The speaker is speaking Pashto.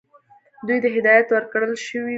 دوی ته هدایت ورکړل شوی وو.